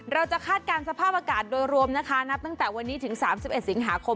เราจะคาดการณ์สภาพอากาศโดยรวมนะคะนับตั้งแต่วันนี้ถึงสามสิบเอ็ดสิงหาคม